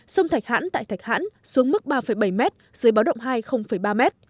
sông thạch hãn tại thạch hãn xuống mức ba bảy m dưới báo động hai ba m